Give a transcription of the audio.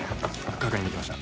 確認できました。